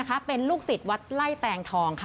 พี่เปิ้ลเป็นลูกศิษย์วัดไล่แตงทอง